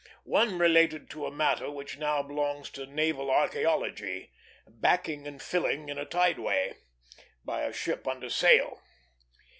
One related to a matter which now belongs to naval archæology, "backing and filling in a tideway," by a ship under sail.